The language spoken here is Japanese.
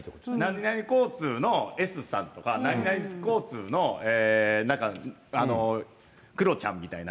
何々交通のＳさんとか、何々交通のなんか、あの、くろちゃんみたいな。